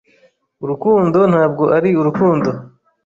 Urukundo Ntabwo ari Urukundo